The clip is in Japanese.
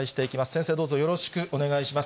先生、どうぞよろしくお願いします。